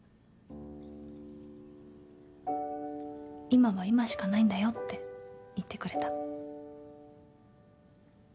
今は今しかないんだよって言ってくれた。